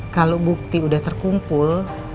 kalau bukti udah terkumpul